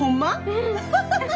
うん！